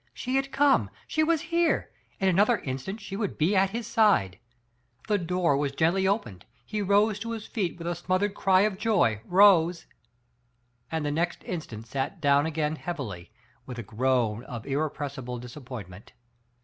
She had come, she was here, in another instant she would be at his side ! The door was gently opened, he rose to 305 Digitized by Google io6 THE PATE OP EENELLA, his feet with a smothered cry of joy, rose — and the next instant sat down again heavily, with a groan of irrepressible disappointment.